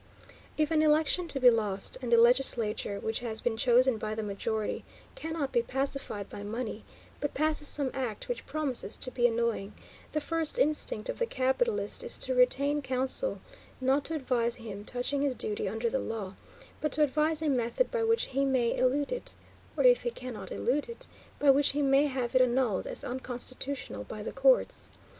If an election be lost, and the legislature, which has been chosen by the majority, cannot be pacified by money, but passes some act which promises to be annoying, the first instinct of the capitalist is to retain counsel, not to advise him touching his duty under the law, but to devise a method by which he may elude it, or, if he cannot elude it, by which he may have it annulled as unconstitutional by the courts.